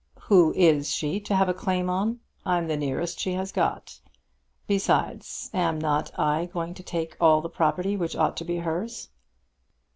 "Who is she to have a claim on? I'm the nearest she has got. Besides, am not I going to take all the property which ought to be hers?"